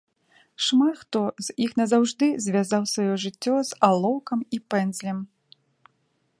Шмат хто з іх назаўжды звязаў сваё жыццё з алоўкам і пэндзлем.